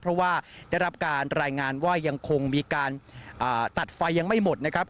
เพราะว่าได้รับการรายงานว่ายังคงมีการตัดไฟยังไม่หมดนะครับ